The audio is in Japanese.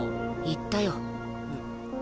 言ったよ。え。